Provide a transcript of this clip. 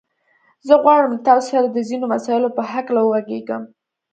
زه غواړم له تاسو سره د ځينو مسايلو په هکله وغږېږم.